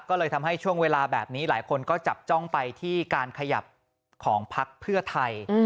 ก็เลยทำให้ช่วงเวลาแบบนี้หลายคนก็จับจ้องไปที่การขยับของพักเพื่อไทย